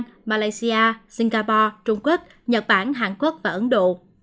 thái lan malaysia singapore trung quốc nhật bản hàn quốc và ấn độ